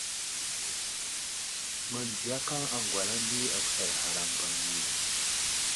Məndziyakaŋ aŋgwalaŋ di agusar ghar a mbaŋ yo.